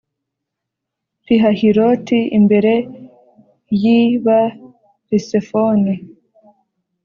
Pihahiroti imbere y i B lisefoni